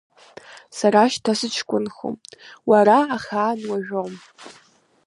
Сара шьҭа сыҷкәынхом, уара ахаан уажәуам.